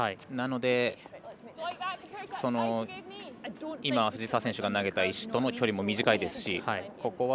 なので、藤澤選手が投げた石との距離も短いですし。